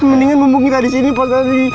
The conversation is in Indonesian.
mendingan ngomong kita disini pak ustadz tadi